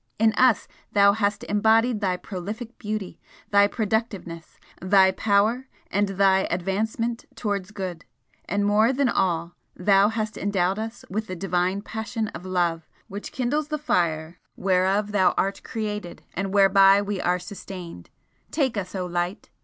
in us thou hast embodied thy prolific beauty, thy productiveness, thy power and thy advancement towards good and more than all thou hast endowed us with the divine passion of Love which kindles the fire whereof thou art created and whereby we are sustained! Take us, O Light!